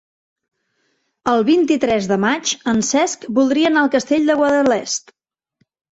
El vint-i-tres de maig en Cesc voldria anar al Castell de Guadalest.